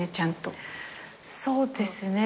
そうですね